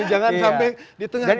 jangan sampai di tengah